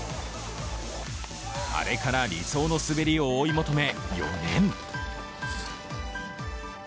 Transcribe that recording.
あれから理想の滑りを追い求め、４年。